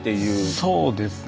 そうですね。